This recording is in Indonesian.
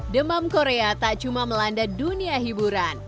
demam korea tak cuma melanda dunia hiburan